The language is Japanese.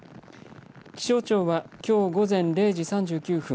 気象庁はきょう午前０時３９分